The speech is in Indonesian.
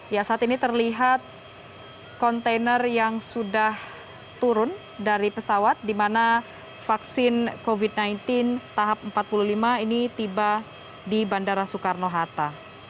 ya saat ini terlihat kontainer yang sudah turun dari pesawat di mana vaksin covid sembilan belas tahap empat puluh lima ini tiba di bandara soekarno hatta